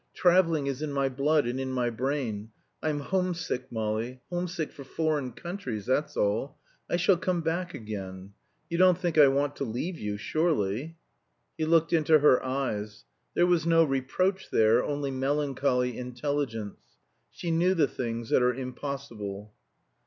Traveling is in my blood and in my brain. I'm home sick, Molly home sick for foreign countries, that's all. I shall come back again. You don't think I want to leave you, surely?" He looked into her eyes; there was no reproach there, only melancholy intelligence. She knew the things that are impossible.